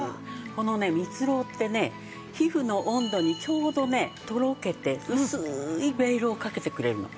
このねミツロウってね皮膚の温度にちょうどねとろけて薄ーいベールをかけてくれるの。